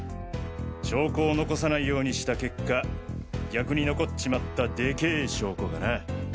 証拠を残さないようにした結果逆に残っちまったデケぇ証拠がな。